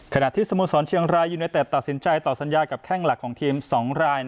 ที่สโมสรเชียงรายยูเนเต็ดตัดสินใจต่อสัญญากับแข้งหลักของทีม๒ราย